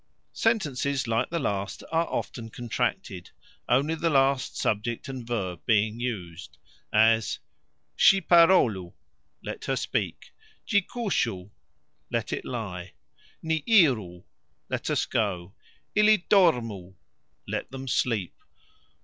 Sentences like the last are often contracted, only the last subject and verb being used, as "Sxi parolu", Let her speak; "Gxi kusxu", Let it lie; "Ni iru", Let us go; "Ili dormu", Let them sleep.